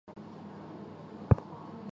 这次中弹并未造成显着损伤。